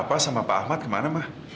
papa sama pak ahmad kemana ma